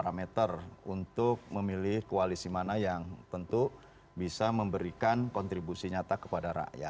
dan juga menjadi parameter untuk memilih koalisi mana yang tentu bisa memberikan kontribusi nyata kepada rakyat